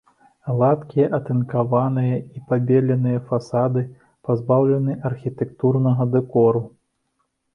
Гладкія атынкаваныя і пабеленыя фасады пазбаўлены архітэктурнага дэкору.